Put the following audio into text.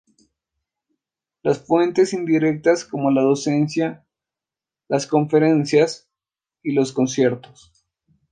las fuentes indirectas como la docencia, las conferencias y los conciertos